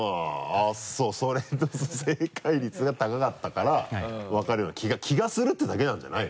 あぁそうそれ正解率が高かったから分かるような気が気がするってだけなんじゃないの？